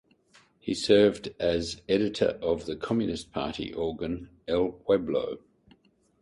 He served as editor of the Communist Party organ "El Pueblo".